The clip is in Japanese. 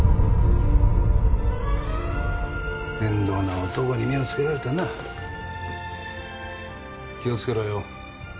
面倒な男に目をつけられたな気をつけろよ